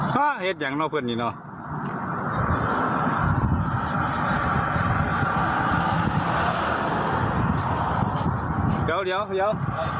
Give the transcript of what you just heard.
เดี๋ยวเดี๋ยวเดี๋ยว